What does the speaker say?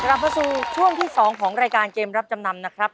กลับมาสู่ช่วงที่๒ของรายการเกมรับจำนำนะครับ